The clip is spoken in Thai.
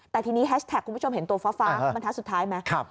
แต่ทีนี้แฮชแท็กคุณผู้ชมเห็นตัวฟ้าบรรทัศน์สุดท้ายไหม